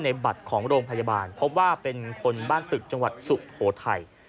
บัตรของโรงพยาบาลพบว่าเป็นคนบ้านตึกจังหวัดสุโขทัย